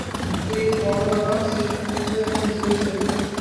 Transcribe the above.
তিনি বড়োদরা সিভিল সার্ভিসে যোগ দেন।